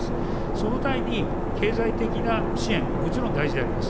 そのために経済的な支援、もちろん大事であります。